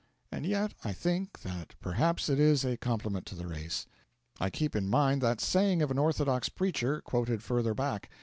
And yet I think that perhaps it is a compliment to the race. I keep in mind that saying of an orthodox preacher quoted further back.